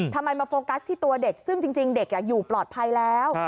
ทำไมมาโฟกัสที่ตัวเด็กซึ่งจริงเด็กอยู่ปลอดภัยแล้ว